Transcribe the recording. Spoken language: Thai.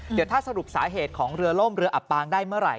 เดี๋ยวถ้าสรุปสาเหตุของเรือล่มเรืออับปางได้เมื่อไห